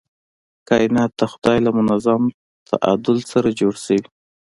کائنات د خدای له منظم تعادل سره جوړ شوي.